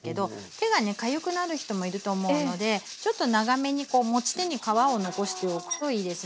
手がねかゆくなる人もいると思うのでちょっと長めに持ち手に皮を残しておくといいですね。